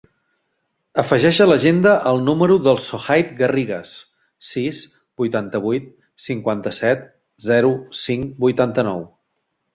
Afegeix a l'agenda el número del Sohaib Garrigues: sis, vuitanta-vuit, cinquanta-set, zero, cinc, vuitanta-nou.